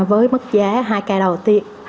với mức giá hai ca đầu tiên